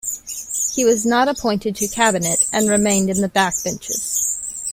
He was not appointed to cabinet, and remained in the backbenches.